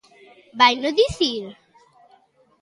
¿Vaino dicir?